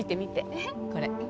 えっ？これ。